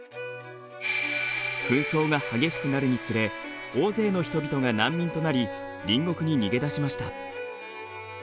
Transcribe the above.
紛争が激しくなるにつれ大勢の人々が難民となり隣国に逃げ出しました。